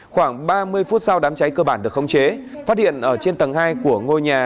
khoảng ba mươi phút sau đám cháy cơ bản được không chế phát hiện ở trên tầng hai của ngôi nhà